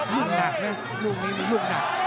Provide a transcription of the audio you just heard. ดูทั้งการ์ดนี้ด้วยลูกหนักหนึ่งลูกหนัก